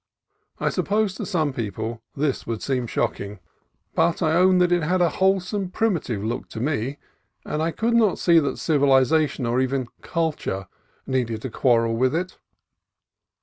I suppose to some people this would seem shocking, but I own 160 CALIFORNIA COAST TRAILS that it had a wholesome, primitive look to me, and I could not see that civilization, or even "culture," needed to quarrel with it.